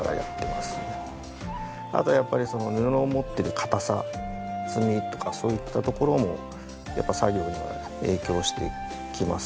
あとはやっぱり布の持ってる硬さ厚みとかそういったところもやっぱ作業には影響してきます。